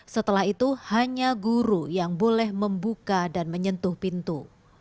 setelah itu hanya guru yang boleh membuka dan menyentuh pintu